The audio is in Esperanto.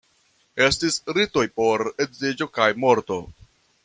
Estis ritoj por edziĝo kaj morto.